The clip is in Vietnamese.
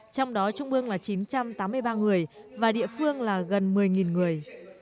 trong đó trung ương là chín trăm tám mươi ba người và địa phương là gần một mươi người